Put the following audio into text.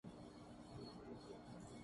اپنی اِک خواہشِ پوشاک سے لگ کر سویا